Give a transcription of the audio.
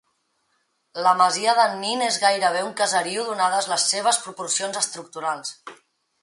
La masia d'en Nin és gairebé un caseriu donades les seves proporcions estructurals.